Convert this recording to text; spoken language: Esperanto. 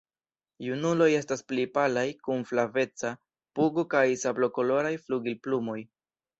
Junuloj estas pli palaj, kun flaveca pugo kaj sablokoloraj flugilplumoj.